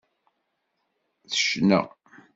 Tecna.